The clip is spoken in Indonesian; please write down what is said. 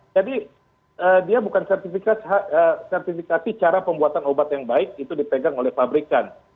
jadi dia bukan sertifikasi cara pembuatan obat yang baik itu dipegang oleh pabrikan